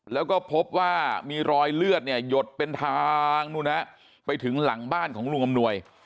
แล้วก็พบว่ามีรอยเลือดเนี่ยหยดเป็นทางไปถึงหลังบ้านของลุงอำนวย